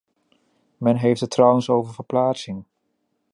Men heeft het trouwens over verplaatsing.